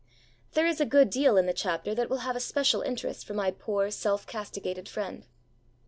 There is a good deal in the chapter that will have a special interest for my poor self castigated friend.